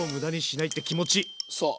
そう。